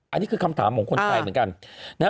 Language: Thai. อันนี้คือคำถามของคนไทยเหมือนกันนะฮะ